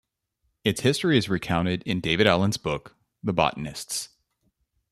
Its history is recounted in David Allen's book "The Botanists".